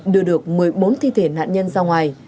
đưa được một mươi bốn thi thể nạn nhân ra ngoài